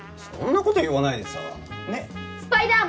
そんな事言わないでさ。